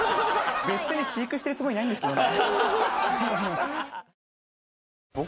別に飼育してるつもりないんですけどね。